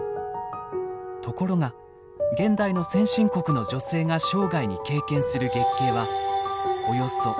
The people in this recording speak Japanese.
ところが現代の先進国の女性が生涯に経験する月経はおよそ４５０回。